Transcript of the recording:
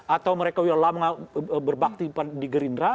atau mereka yang lama berbakti di gerindra